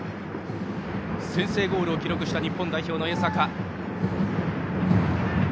先制ゴールを記録した日本代表の江坂が蹴ります。